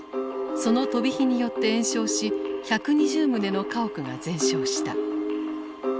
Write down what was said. その飛び火によって延焼し１２０棟の家屋が全焼した。